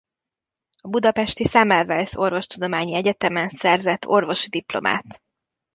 A budapesti Semmelweis Orvostudományi Egyetemen szerzett orvosi diplomát.